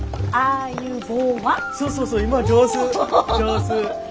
そうそうそう今上手上手。